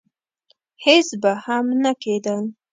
هېڅ به هم نه کېدل.